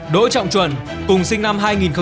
đối trọng chuẩn cùng sinh năm hai nghìn sáu